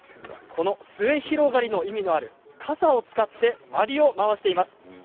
この末広がりの意味がある傘を使ってまりを回しています。